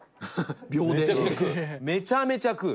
タカ：めちゃくちゃ食う？